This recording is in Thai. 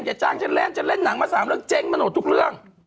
จ้างฉันเล่นฉันเล่นหนังมา๓เรื่องเจ๊งมาหมดทุกเรื่อง